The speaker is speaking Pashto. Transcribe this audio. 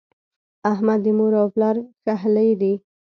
احمد د مور او پلار ښهلی دی.